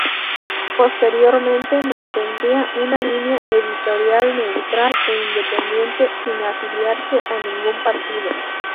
Posteriormente mantendría una línea editorial neutral e independiente, sin afiliarse a ningún partido.